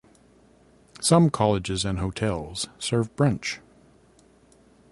Some colleges and hotels serve brunch.